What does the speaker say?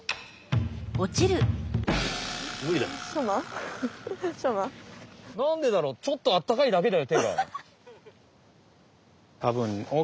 なんでだろうちょっとあったかいだけだよてが。